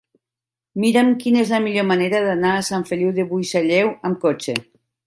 Mira'm quina és la millor manera d'anar a Sant Feliu de Buixalleu amb cotxe.